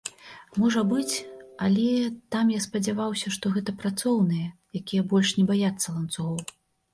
Можа быць, але там я спадзяваўся, што гэта працоўныя, якія больш не баяцца ланцугоў.